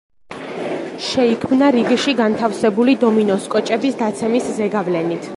შეიქმნა რიგში განთავსებული დომინოს კოჭების დაცემის ზეგავლენით.